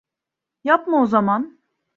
Yapma o zaman.